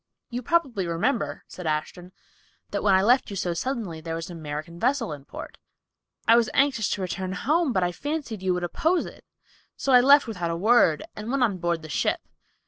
"You probably remember," said Ashton, "that when I left you so suddenly there was an American vessel in port. I was anxious to return home, but fancied you would oppose it, so I left without a word, and went on board the ship.